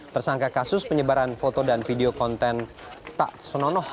tersangka kasus penyebaran foto dan video konten tak senonoh